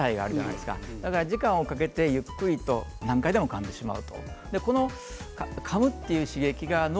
砂肝は歯応えがありますから時間をかけてゆっくりと何回でもかんでしまう。